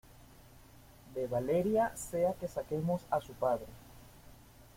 de Valeria sea que saquemos a su padre